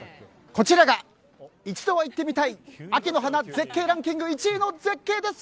こちらが一度は行ってみたい秋の花絶景ランキングの１位の絶景です！